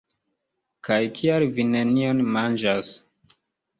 Kaj kial vi nenion manĝas?